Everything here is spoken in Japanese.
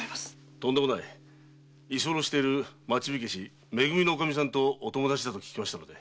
とんでもない。居候している町火消め組のおかみさんとお友達だと聞きましたので。